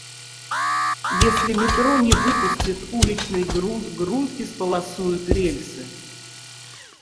Если метро не выпустит уличный грунт — грунт исполосуют рельсы.